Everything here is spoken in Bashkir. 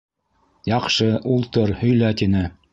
— Яҡшы, ултыр, һөйлә, — тине.